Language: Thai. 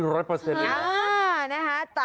ร้อยเปอร์เซ็นต์